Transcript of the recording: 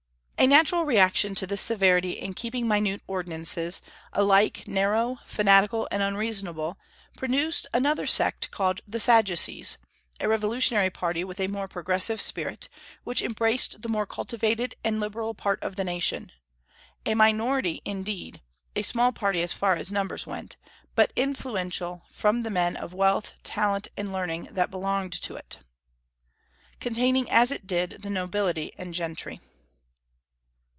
A natural reaction to this severity in keeping minute ordinances, alike narrow, fanatical, and unreasonable, produced another sect called the Sadducees, a revolutionary party with a more progressive spirit, which embraced the more cultivated and liberal part of the nation; a minority indeed, a small party as far as numbers went, but influential from the men of wealth, talent, and learning that belonged to it, containing as it did the nobility and gentry.